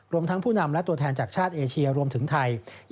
ทั้งผู้นำและตัวแทนจากชาติเอเชียรวมถึงไทย